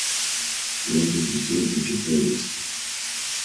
Многих детей учат ненависти.